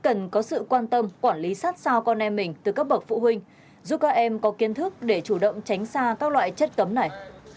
cơ quan chức năng có sự quan tâm quản lý sát sao con em mình từ các bậc phụ huynh giúp các em có kiên thức để chủ động tránh xa các loại chất cấm này